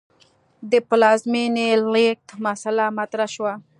د پلازمې لېږد مسئله مطرح شوه.